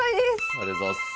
ありがとうございます。